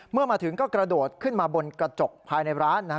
เมื่อมาถึงก็กระโดดขึ้นมาบนกระจกภายในร้านนะครับ